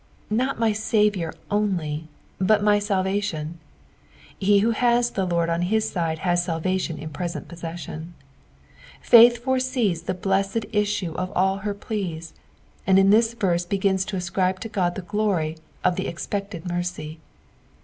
Not my Saviour only, but my aalvation. He who has the Lord on his side has salvation in present possession. Futh foresees the blessed issne of all ber pleas, and in this verse begins to ascribe to Qod the glor^ of the expected mercy.